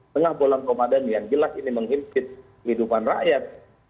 tengah bolang komadani yang jelas ini menghimpit kehidupan rakyat